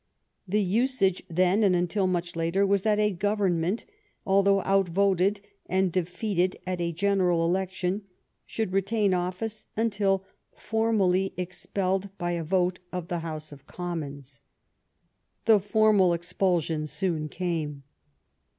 The usage then and until much later was that a Govern ment, although outvoted and defeated at a general election, should retain office until formally ex pelled by a vote of the House of Commons. The formal expulsion soon came.